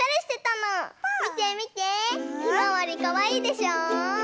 ひまわりかわいいでしょう？かわいい！